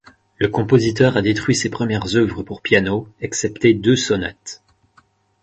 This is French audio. Le compositeur a détruit ses premières œuvres pour piano excepté deux sonates.